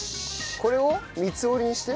これを三つ折りにして。